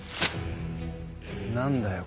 何だよ